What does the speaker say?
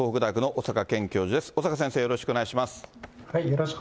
小坂教授、よろしくお願いします。